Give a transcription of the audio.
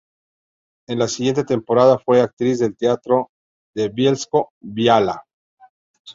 En la siguiente temporada fue actriz del Teatro de Bielsko-Biała.